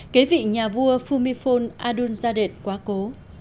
kế vị nhà vua phumifol adulzadeh quá cố